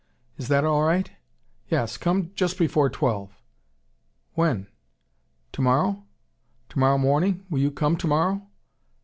Is that all right? Yes, come just before twelve. When? Tomorrow? Tomorrow morning? Will you come tomorrow?"